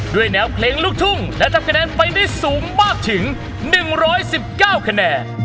ด้วยแนวเพลงลูกทุ่งและทำคะแนนไปได้สูงมากถึง๑๑๙คะแนน